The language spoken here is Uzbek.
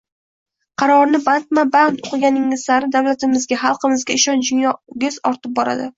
Qarorni bandma-band oʻqiganingiz sari davlatimizga, xalqimizga ishonchingiz ortib boradi.